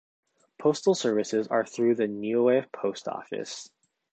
Postal services are through the Niue Post Office.